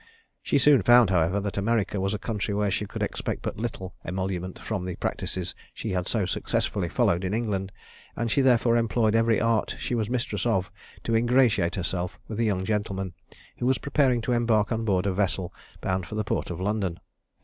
She soon found, however, that America was a country where she could expect but little emolument from the practices she had so successfully followed in England, and she therefore employed every art she was mistress of to ingratiate herself with a young gentleman, who was preparing to embark on board a vessel bound for the port of London.